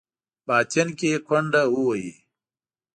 باطن کې ګونډه ووهي.